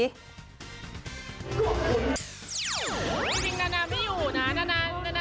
จริงหนาไม่อยู่นะ